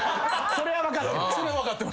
それは分かってます。